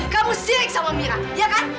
kamu siak sama mira ya kan